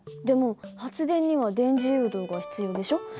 でも発電には電磁誘導が必要でしょ。